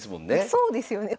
そうですよね。